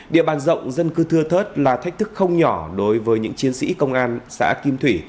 địa bàn rộng dân cư thưa thớt là thách thức không nhỏ đối với những chiến sĩ công an xã kim thủy